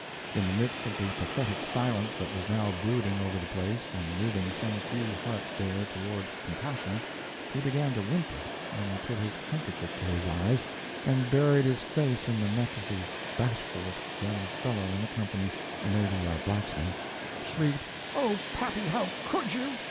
In the midst of the pathetic silence that was now brooding over the place and moving some few hearts there toward compassion, he began to whimper, then he put his handkerchief to his eyes and buried his face in the neck of the bashfulest young fellow in the company, a navy yard blacksmith, shrieked "Oh, pappy, how could you!"